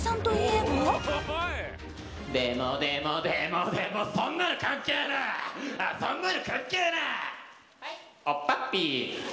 でもでもでもでもそんなの関係ねぇ！